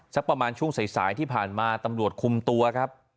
สักประมาณช่วงสายที่ผ่านมาตำรวจคุมตัวครับ